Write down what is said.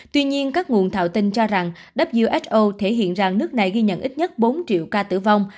tuy nhiên các nguồn thạo tin cho rằng who thể hiện rằng nước này ghi nhận ít nhất bốn triệu ca tử vong